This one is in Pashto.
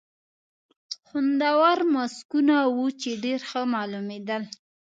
خوندور ماسکونه وو، چې ډېر ښه معلومېدل.